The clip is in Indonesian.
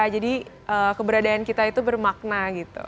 jadi keberadaan kita itu bermakna gitu